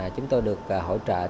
chúng tôi được hỗ trợ rất nhiều